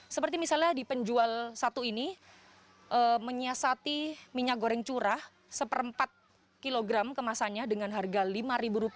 seperti misalnya di penjual satu ini menyiasati minyak goreng curah seperempat kilogram kemasannya dengan harga rp lima